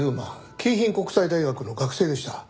京浜国際大学の学生でした。